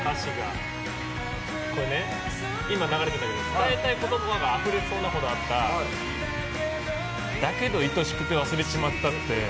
「伝えたい言葉があふれそうなほどあっただけど愛しくて忘れちまった」。